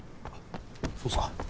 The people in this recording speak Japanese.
そうですか。